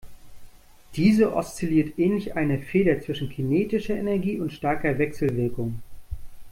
Diese oszilliert ähnlich einer Feder zwischen kinetischer Energie und starker Wechselwirkung.